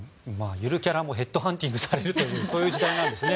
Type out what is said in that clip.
ゆるキャラもヘッドハンティングされる時代なんですね。